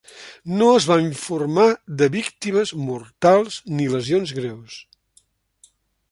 No es va informar de víctimes mortals ni lesions greus.